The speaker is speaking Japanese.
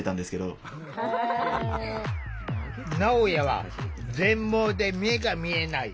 なおやは全盲で目が見えない。